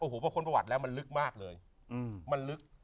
โอ้โหพอค้นประวัติแล้วมันลึกมากเลยมันลึก